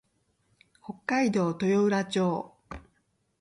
北海道豊浦町